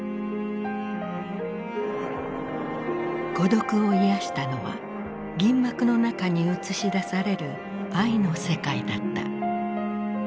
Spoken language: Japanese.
孤独を癒やしたのは銀幕の中に映し出される愛の世界だった。